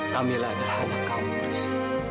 kamilah adalah anak kamu riz